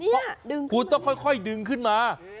นี่ดึงขึ้นมาขุดต้องค่อยดึงขึ้นมา